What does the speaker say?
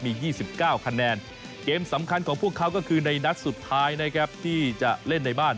มี๒๙คะแนนเกมสำคัญของพวกเขาก็คือในนัดสุดท้ายนะครับที่จะเล่นในบ้าน